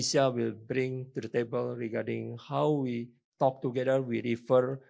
bagaimana kita berbicara bersama kita mengingatkan keputusan yang sudah diberikan